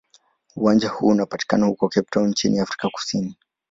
Uwanja huu unapatikana huko Cape Town nchini Afrika Kusini.